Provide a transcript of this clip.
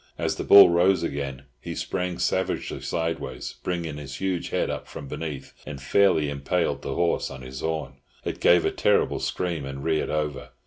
As the bull rose again, he sprang savagely sideways, bringing his huge head up from beneath, and fairly impaled the horse on his horn. It gave a terrible scream, and reared over.